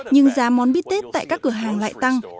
nhưng giá món bít tết tại các cửa hàng lại tăng